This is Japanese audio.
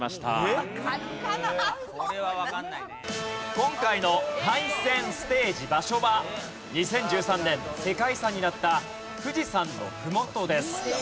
今回の対戦ステージ場所は２０１３年世界遺産になった富士山のふもとです。